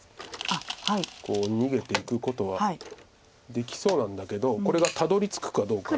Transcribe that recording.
逃げていくことはできそうなんだけどこれがたどりつくかどうか。